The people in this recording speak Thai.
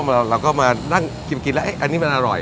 เราก็มานั่งกินแล้วอันนี้มันอร่อย